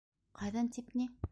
- Ҡайҙан тип ни...